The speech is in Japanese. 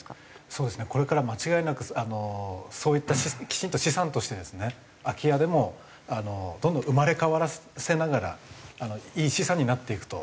そうですねこれから間違いなくあのそういったきちんと資産としてですね空き家でもどんどん生まれ変わらせながらいい資産になっていくと。